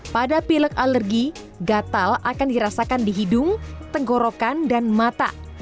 pada pilek alergi gatal akan dirasakan di hidung tenggorokan dan mata